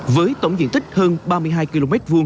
với tổng diện tích hơn ba mươi hai km hai